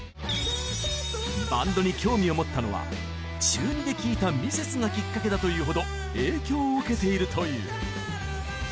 バンドに興味を持ったのは中２で聴いたミセスがきっかけだというほど影響を受けているという